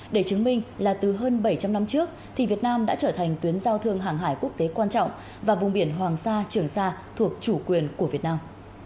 để chứng minh là từ hơn bảy trăm linh năm trước thì việt nam đã trở thành tuyến giao thương hàng hải quốc tế quan trọng và vùng biển hoàng sa trường sa thuộc chủ quyền của việt nam